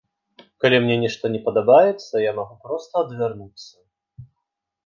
Калі мне нешта не падабаецца, я магу проста адвярнуцца.